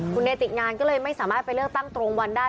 คุณเนติกงานก็เลยไม่สามารถไปเลือกตั้งตรงวันได้